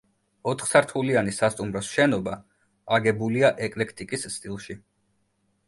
ოთხსართულიანი სასტუმროს შენობა აგებულია ეკლექტიკის სტილში.